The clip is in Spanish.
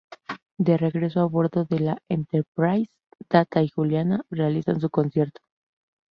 De regreso a bordo de la "Enterprise", Data y Juliana realizan su concierto.